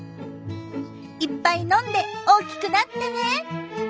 いっぱい飲んで大きくなってね！